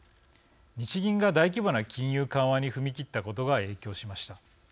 日銀が大規模な金融緩和に踏み切ったことが影響しました。